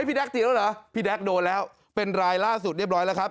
แก๊กเตี๋ยแล้วเหรอพี่แจ๊คโดนแล้วเป็นรายล่าสุดเรียบร้อยแล้วครับ